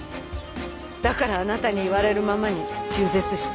だからあなたに言われるままに中絶した。